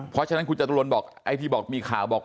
เพราะฉะนั้นคุณจตุรนบอกไอ้ที่บอกมีข่าวบอก